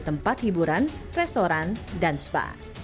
tempat hiburan restoran dan spa